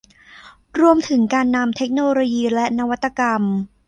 รวมถึงการนำเทคโนโลยีและนวัตกรรม